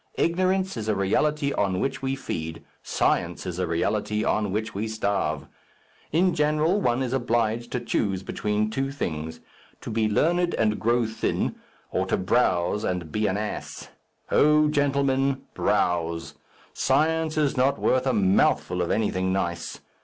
Ignorance is a reality on which we feed; science is a reality on which we starve. In general one is obliged to choose between two things to be learned and grow thin, or to browse and be an ass. O gentlemen, browse! Science is not worth a mouthful of anything nice.